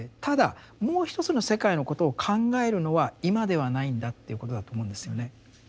ただもう一つの世界のことを考えるのは今ではないんだっていうことだと思うんですよね。